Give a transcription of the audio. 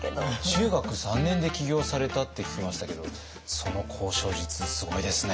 中学３年で起業されたって聞きましたけどその交渉術すごいですね。